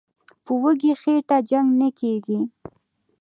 "په وږي خېټه جنګ نه کېږي".